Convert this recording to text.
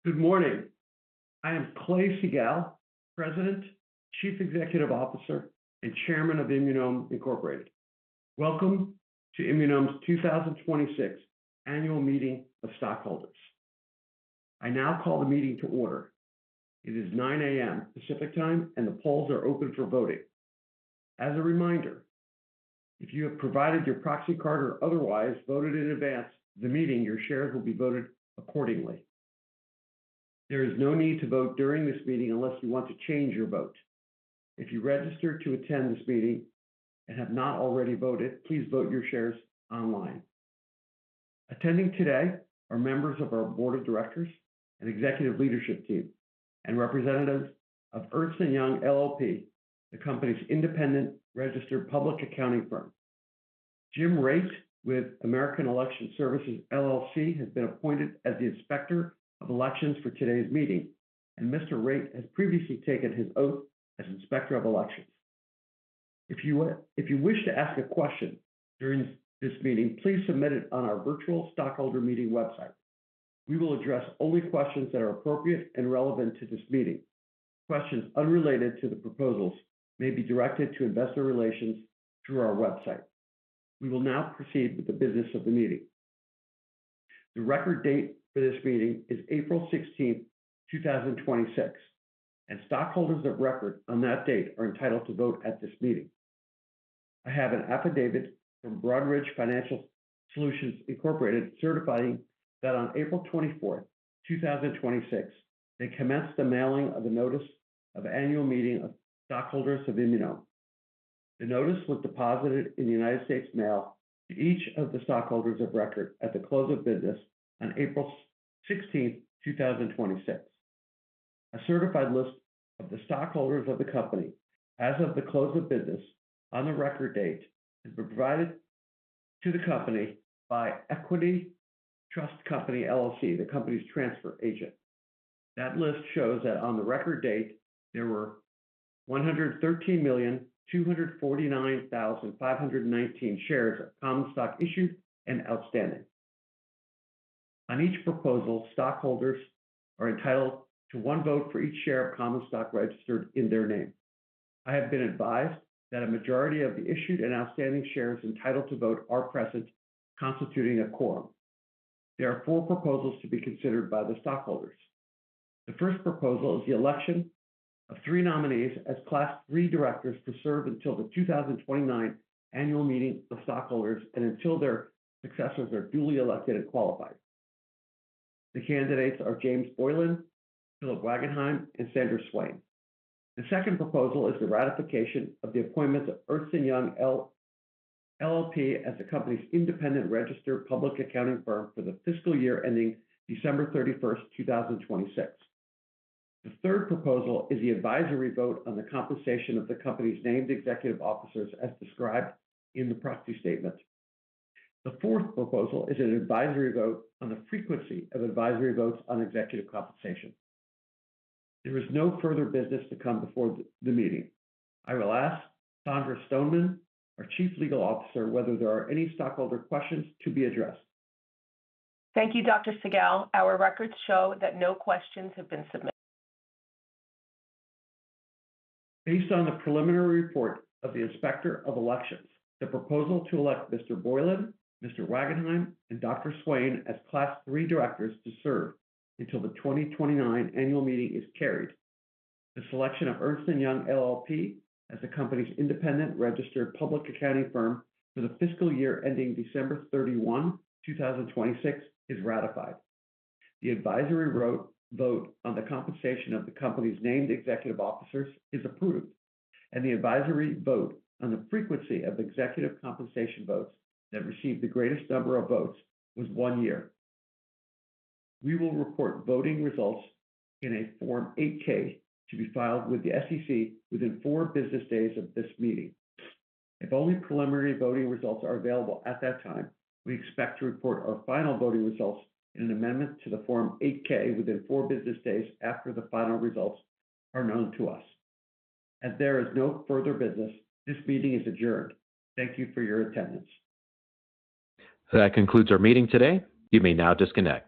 Good morning. I am Clay Siegall, President, Chief Executive Officer, and Chairman of Immunome, Inc. Welcome to Immunome's 2026 Annual Meeting of Stockholders. I now call the meeting to order. It is 9:00 A.M. Pacific Time, and the polls are open for voting. As a reminder, if you have provided your proxy card or otherwise voted in advance of the meeting, your shares will be voted accordingly. There is no need to vote during this meeting unless you want to change your vote. If you registered to attend this meeting and have not already voted, please vote your shares online. Attending today are members of our board of directors and executive leadership team, and representatives of Ernst & Young LLP, the company's independent registered public accounting firm. Jim Raitt with American Election Services, LLC, has been appointed as the Inspector of Elections for today's meeting, and Mr. Raitt has previously taken his oath as Inspector of Elections. If you wish to ask a question during this meeting, please submit it on our virtual stockholder meeting website. We will address only questions that are appropriate and relevant to this meeting. Questions unrelated to the proposals may be directed to Investor Relations through our website. We will now proceed with the business of the meeting. The record date for this meeting is April 16th, 2026, and stockholders of record on that date are entitled to vote at this meeting. I have an affidavit from Broadridge Financial Solutions, Inc., certifying that on April 24th, 2026, they commenced the mailing of the notice of annual meeting of stockholders of Immunome. The notice was deposited in the United States Mail to each of the stockholders of record at the close of business on April 16th, 2026. A certified list of the stockholders of the company as of the close of business on the record date has been provided to the company by Equiniti Trust Company, LLC, the company's transfer agent. That list shows that on the record date, there were 113,249,519 shares of common stock issued and outstanding. On each proposal, stockholders are entitled to one vote for each share of common stock registered in their name. I have been advised that a majority of the issued and outstanding shares entitled to vote are present, constituting a quorum. There are four proposals to be considered by the stockholders. The first proposal is the election of three nominees as Class III directors to serve until the 2029 annual meeting of stockholders and until their successors are duly elected and qualified. The candidates are James Boylan, Philip Wagenheim, and Sandra Swain. The second proposal is the ratification of the appointment of Ernst & Young LLP as the company's independent registered public accounting firm for the fiscal year ending December 31st, 2026. The third proposal is the advisory vote on the compensation of the company's named executive officers as described in the proxy statement. The fourth proposal is an advisory vote on the frequency of advisory votes on executive compensation. There is no further business to come before the meeting. I will ask Sandra Stoneman, our Chief Legal Officer, whether there are any stockholder questions to be addressed. Thank you, Dr. Siegall. Our records show that no questions have been submitted. Based on the preliminary report of the Inspector of Elections, the proposal to elect Mr. Boylan, Mr. Wagenheim, and Dr. Swain as Class III directors to serve until the 2029 annual meeting is carried. The selection of Ernst & Young LLP as the company's independent registered public accounting firm for the fiscal year ending December 31, 2026, is ratified. The advisory vote on the compensation of the company's named executive officers is approved, and the advisory vote on the frequency of executive compensation votes that received the greatest number of votes was one year. We will report voting results in a Form 8-K to be filed with the SEC within four business days of this meeting. If only preliminary voting results are available at that time, we expect to report our final voting results in an amendment to the Form 8-K within four business days after the final results are known to us. As there is no further business, this meeting is adjourned. Thank you for your attendance. That concludes our meeting today. You may now disconnect.